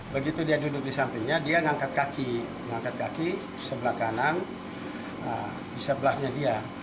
begitu dia duduk di sampingnya dia ngangkat kaki mengangkat kaki sebelah kanan di sebelahnya dia